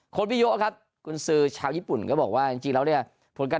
พี่โยครับกุญสือชาวญี่ปุ่นก็บอกว่าจริงแล้วเนี่ยผลการ